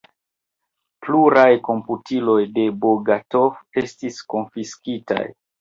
Pluraj komputiloj de Bogatov estis konfiskitaj.